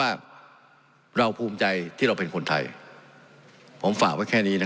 เพราะมันก็มีเท่านี้นะเพราะมันก็มีเท่านี้นะ